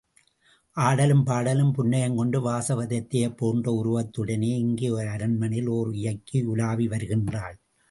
ஆடலும் பாடலும் புன்னகையும் கொண்டு வாசவதத்தையைப் போன்ற உருவத்துடனேயே இங்கே அரண்மனையில் ஓர் இயக்கி உலாவி வருகின்றாள்.